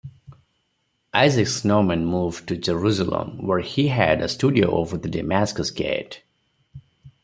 Isaac Snowman moved to Jerusalem, where he had a studio over the Damascus Gate.